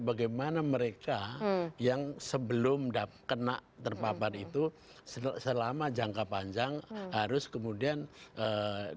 bagaimana mereka yang sebelum kena terpapar itu selama jangka panjang harus kemudian ee